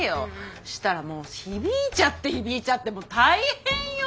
したらもう響いちゃって響いちゃってもう大変よ。